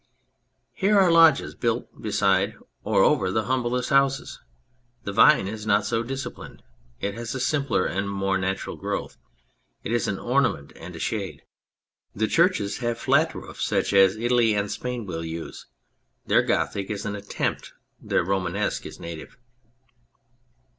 Here are lodges built beside or over the humblest houses ; the vine is not so dis ciplined ; it has a simpler and a more natural growth, it is an ornament and a shade. The churches have flat roofs such as Italy and Spain will use. Their Gothic is an attempt, their Romanesque is native.